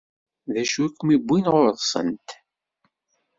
D acu i kem-iwwin ɣur-sent?